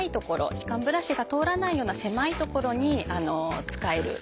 歯間ブラシが通らないような狭い所に使える。